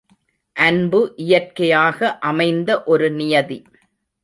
அன்பு இயற்கையாக அமைந்த ஒரு நியதி.